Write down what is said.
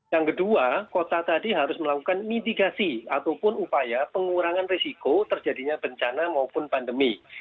yang kedua kota tadi harus melakukan mitigasi ataupun upaya pengurangan risiko terjadinya bencana maupun pandemi